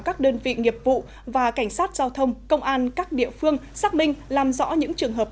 các đơn vị nghiệp vụ và cảnh sát giao thông công an các địa phương xác minh làm rõ những trường hợp